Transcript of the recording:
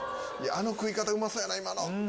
あの食い方うまそうやな、今の。